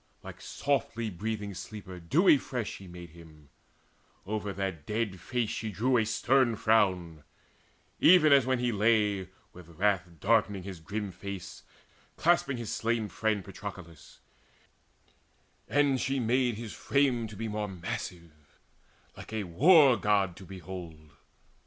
Like softly breathing sleeper dewy fresh She made him: over that dead face she drew A stern frown, even as when he lay, with wrath Darkening his grim face, clasping his slain friend Patroclus; and she made his frame to be More massive, like a war god to behold.